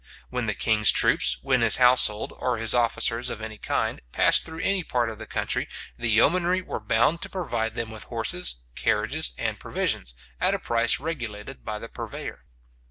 When the king's troops, when his household, or his officers of any kind, passed through any part of the country, the yeomanry were bound to provide them with horses, carriages, and provisions, at a price regulated by the purveyor.